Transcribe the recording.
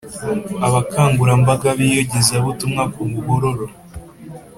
abakangurambaga b’iyogezabutumwa ku muhororo